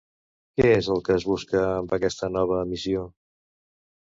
Què és el que es busca amb aquesta nova emissió?